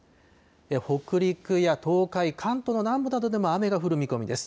北陸や東海、関東の南部などでも雨が降る見込みです。